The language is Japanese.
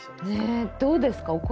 ねえどうですか？